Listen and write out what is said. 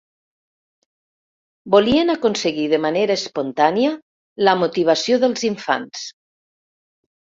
Volien aconseguir, de manera espontània, la motivació dels infants.